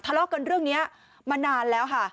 ทะเลาะกันเรื่องนี้มานานแล้วค่ะ